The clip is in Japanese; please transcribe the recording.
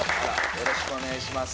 よろしくお願いします。